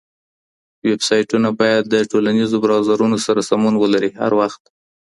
ویب سایټونه باید د ټولو براوزرونو سره سمون ولري هر وخت.